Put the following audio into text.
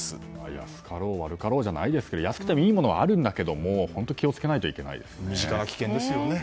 安かろう悪かろうじゃないですけど安くてもいいものはあるんだけども気を付けないといけないですね。